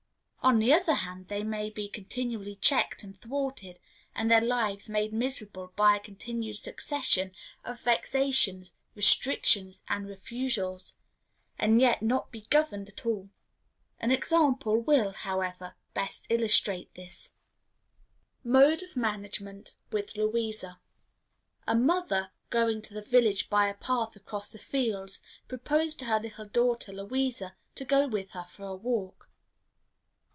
On the other hand, they may be continually checked and thwarted, and their lives made miserable by a continued succession of vexations, restrictions, and refusals, and yet not be governed at all. An example will, however, best illustrate this. Mode of Management with Louisa. A mother, going to the village by a path across the fields, proposed to her little daughter Louisa to go with her for a walk.